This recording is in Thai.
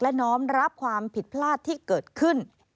และน้อมรับความผิดพลาดที่เกิดขึ้น